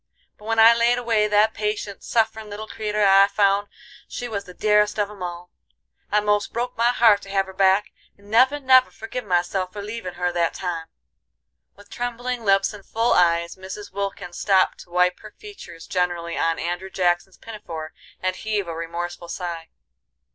But when I laid away that patient, sufferin' little creeter I found she was the dearest of 'em all. I most broke my heart to hev her back, and never, never forgive myself for leavin' her that time." With trembling lips and full eyes Mrs. Wilkins stopped to wipe her features generally on Andrew Jackson's pinafore, and heave a remorseful sigh.